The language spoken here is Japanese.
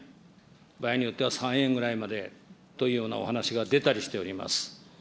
場合によっては３円ぐらいまでというようなお話が出たりしております。